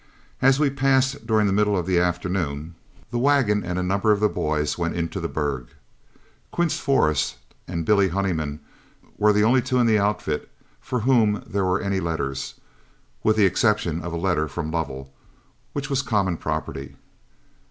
As we passed during the middle of the afternoon, the wagon and a number of the boys went into the burg. Quince Forrest and Billy Honeyman were the only two in the outfit for whom there were any letters, with the exception of a letter from Lovell, which was common property.